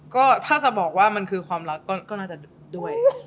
ก็ถ้าจะบอกว่ามันคือความรักก็น่าจะด้วย